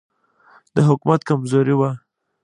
د حکومت کمزوري وه.